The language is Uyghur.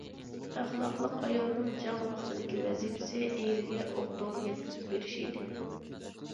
ئەخلاقلىق ئايالنىڭ جەڭ ۋاقتىدىكى ۋەزىپىسى ئېرىگە ئوق- دورا يەتكۈزۈپ بېرىش ئىدى.